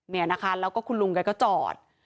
เนี่ยนะคะแล้วก็คุณลุงแกก็จอด